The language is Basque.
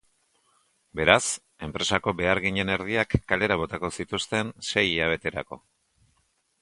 Beraz, enpresako beharginen erdiak kalera botako zituzten sei hilabeterako.